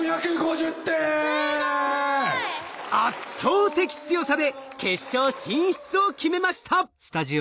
すごい！圧倒的強さで決勝進出を決めました。